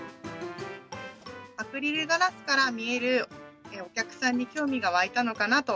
アクリルガラスから見えるお客さんに興味が湧いたのかなと。